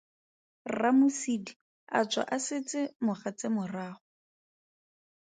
RraMosidi a tswa a setse mogatse morago.